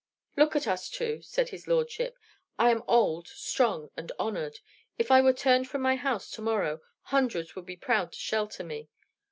"Look at us two," said his lordship. "I am old, strong, and honored. If I were turned from my house to morrow, hundreds would be proud to shelter me.